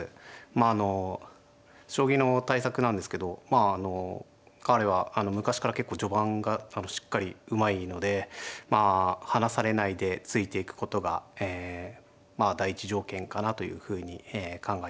まああの将棋の対策なんですけど彼は昔から結構序盤がしっかりうまいのでまあ離されないでついていくことがえまあ第一条件かなというふうに考えてます。